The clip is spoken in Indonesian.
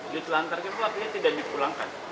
di telantar itu apinya tidak dipulangkan